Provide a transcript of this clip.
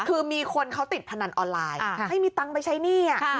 คือมีคนเขาติดพนันออนไลน์ให้มีตังค์ไปใช้หนี้